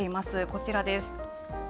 こちらです。